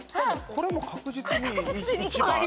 これ確実に１番。